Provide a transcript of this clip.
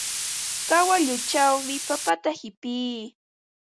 Kawalluchawmi papata qipii.